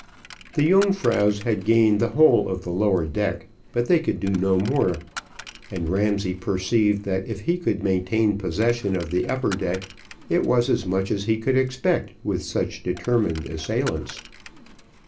The Yungfraus had gained the whole of the lower deck, but they could do no more; and Ramsay perceived that if he could maintain possession of the upper deck, it was as much as he could expect with such determined assailants.